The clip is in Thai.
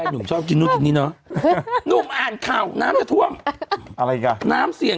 ต้องจองตอนเนี้ย